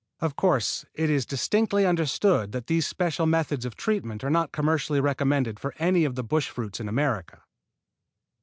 Of course, it is distinctly understood that these special methods of treatment are not commercially recommended for any of the bush fruits in America.